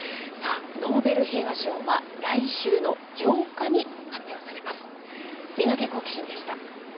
ノーベル平和賞は来週の８日に発表されます。